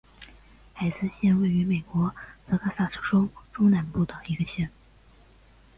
海斯县位美国德克萨斯州中南部的一个县。